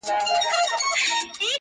څومره ښکلې دي کږه توره مشوکه.!